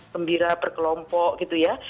pembira berkelompok gitu ya